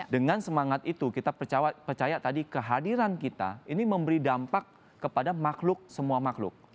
dengan semangat itu kita percaya tadi kehadiran kita ini memberi dampak kepada makhluk semua makhluk